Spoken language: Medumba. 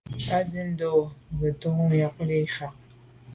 Á swɛ̌n ndwə́ rə̂ ŋgə́tú’ nyɔ̌ŋ lí’ fá.